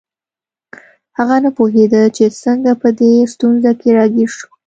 هغه نه پوهیده چې څنګه په دې ستونزه کې راګیر شو